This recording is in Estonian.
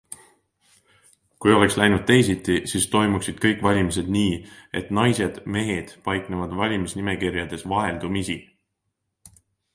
Kui oleks läinud teisiti, siis toimuksid kõik valimised nii, et naised-mehed paiknevad valimisnimekirjades vaheldumisi.